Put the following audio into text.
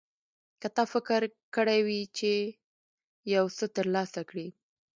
که تا فکر کړی وي چې یو څه ترلاسه کړې.